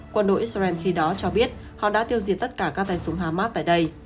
quân đội israel khi đó cho biết họ đã tiêu diệt tất cả các tay súng hamas tại đây